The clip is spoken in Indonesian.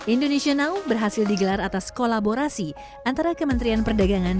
indonesia now berhasil digelar atas kolaborasi antara kementerian perdagangan